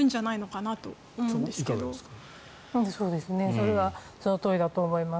それはそのとおりだと思います。